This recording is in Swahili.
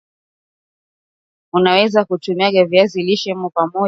unaweza kutumiaunga wa viazi lishe pamoja na unga wa ngano